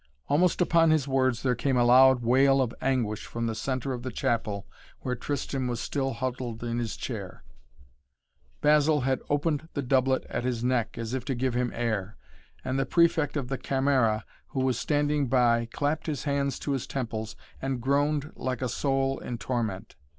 Almost upon his words there came a loud wail of anguish from the centre of the chapel where Tristan was still huddled in his chair. Basil had opened the doublet at his neck, as if to give him air, and the Prefect of the Camera, who was standing by, clapped his hands to his temples, and groaned like a soul in torment.